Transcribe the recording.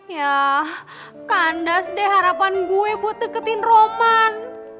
ya kandas deh harapan gue buat deketin roman